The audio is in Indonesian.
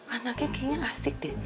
anaknya kayaknya asik deh